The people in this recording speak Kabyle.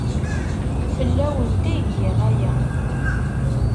Fell-awent ay giɣ aya.